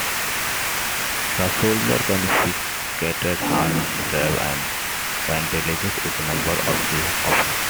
The soldiers confiscated hard drives and vandalized a number of the offices.